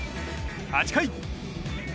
８回。